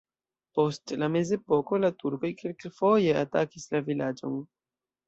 Post la mezepoko la turkoj kelkfoje atakis la vilaĝon.